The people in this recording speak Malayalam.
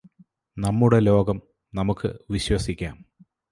നമ്മുടെ ലോകം നമുക്ക് വിശ്വസിക്കാം